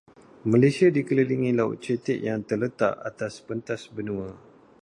Malaysia dikelilingi laut cetek yang terletak atas pentas benua.